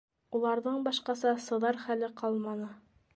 Уларҙың башҡаса сыҙар хәле ҡалманы.